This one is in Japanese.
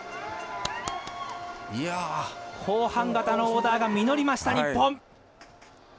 後半型のオーダーが実りました、日本。